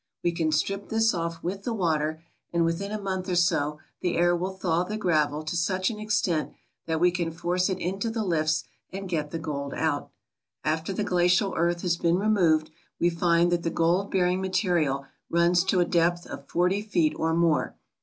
We can strip this off with the water, and within a month or so the air will thaw the gravel to such an extent that we can force it into the lifts and get the gold out. After the glacial earth has been removed we find that the gold bearing material runs to a depth of forty feet or more.